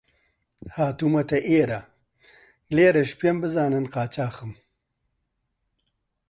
هاتوومە ئێرە، لێرەش پێم بزانن قاچاغم